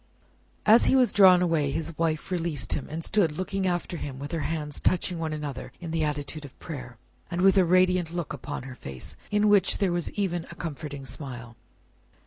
As he was drawn away, his wife released him, and stood looking after him with her hands touching one another in the attitude of prayer, and with a radiant look upon her face, in which there was even a comforting smile.